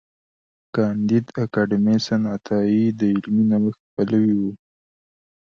کانديد اکاډميسن عطايي د علمي نوښت پلوي و.